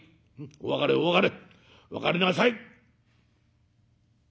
お別れお別れ別れなさい」。